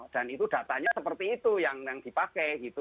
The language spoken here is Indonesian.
dan itu datanya seperti itu yang dipakai gitu